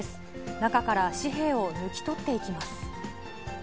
中から紙幣を抜き取っていきます。